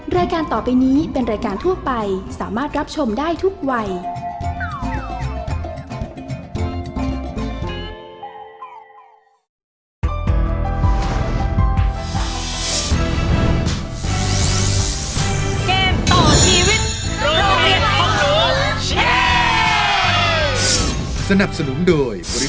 รายการต่อไปนี้เป็นรายการทั่วไปสามารถรับชมได้ทุกวัย